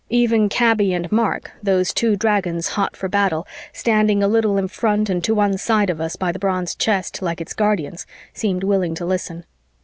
Even Kaby and Mark, those two dragons hot for battle, standing a little in front and to one side of us by the bronze chest, like its guardians, seemed willing to listen.